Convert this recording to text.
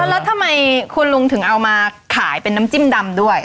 แล้วทำไมคุณลุงถึงเอามาขายเป็นน้ำจิ้มดำด้วย